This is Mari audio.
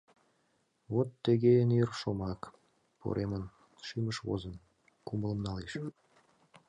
Вот тыге эн ир шомак, поремын, Шӱмыш возын, кумылым налеш.